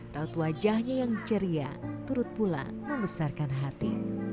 raut wajahnya yang ceria turut pula membesarkan hati